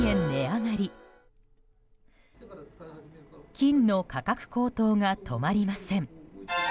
金の価格高騰が止まりません。